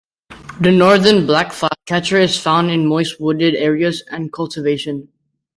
The northern black flycatcher is found in moist wooded areas and cultivation.